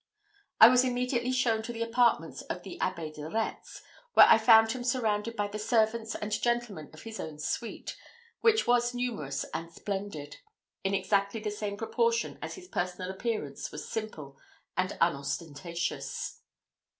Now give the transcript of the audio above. I was immediately shown to the apartments of the Abbé de Retz, where I found him surrounded by the servants and gentlemen of his own suite, which was numerous and splendid, in exactly the same proportion as his personal appearance was simple and unostentatious.